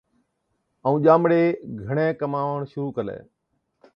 ائُون ڄامڙَي گھڻَي ڪماوَڻ شرُوع ڪلَي۔